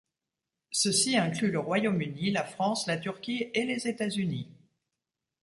Ceci inclut le Royaume-Uni, la France, la Turquie et les États-Unis.